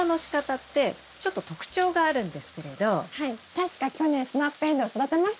確か去年スナップエンドウ育てましたもんね。